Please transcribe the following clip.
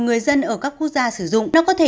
người dân ở các quốc gia sử dụng nó có thể